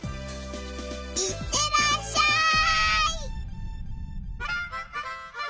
行ってらっしゃい！